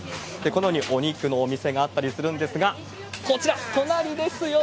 このようにお肉のお店があったりするんですが、こちら、隣ですよ。